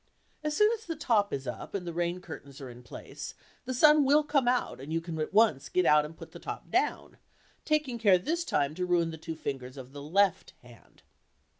As soon as the top is up and the rain curtains are in place the sun will come out and you can at once get out and put the top down, taking care this time to ruin two fingers of the left hand.